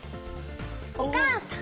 「お母さん」。